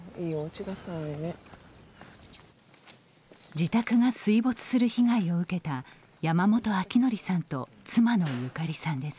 自宅が水没する被害を受けた山本晃徳さんと妻のゆかりさんです。